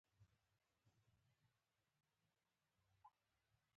اوبه د سبا د زرغونتیا لامل دي.